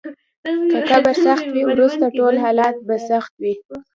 که قبر سخت وي، وروسته ټول حالات به سخت وي.